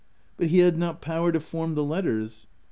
But he had not power to form the letters.